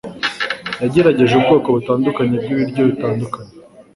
Yagerageje ubwoko butandukanye bwibiryo bitandukanye